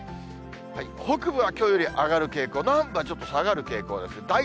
北部はきょうより上がる傾向、南部はちょっと下がる傾向ですね。